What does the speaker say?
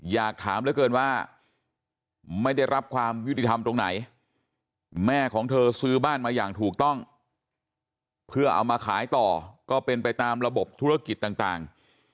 อยากถามเหลือเกินว่าไม่ได้รับความยุติธรรมตรงไหนแม่ของเธอซื้อบ้านมาอย่างถูกต้องเพื่อเอามาขายต่อก็เป็นไปตามระบบธุรกิจต่าง